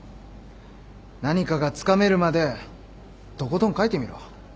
何かがつかめるまでとことん書いてみろ。